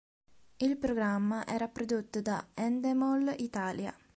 Il programma era prodotto da Endemol Italia.